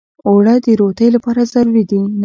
اوړه د روتۍ لپاره ضروري دي